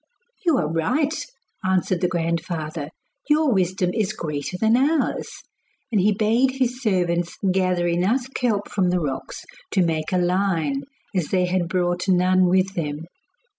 'You are right,' answered the grandfather; 'your wisdom is greater than ours.' And he bade his servants gather enough kelp from the rocks to make a line, as they had brought none with them.